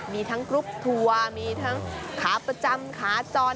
มีทั้งกรุ๊ปทัวร์มีทั้งขาประจำขาจร